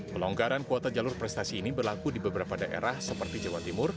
pelonggaran kuota jalur prestasi ini berlaku di beberapa daerah seperti jawa timur